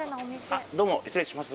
どうも失礼します。